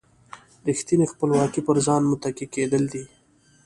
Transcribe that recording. ریښتینې خپلواکي پر ځان متکي کېدل دي.